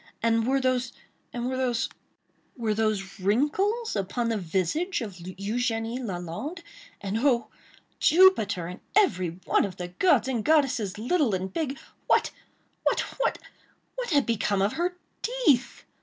And were those—and were those—were those wrinkles, upon the visage of Eugénie Lalande? And oh! Jupiter, and every one of the gods and goddesses, little and big!—what—what—what—what had become of her teeth?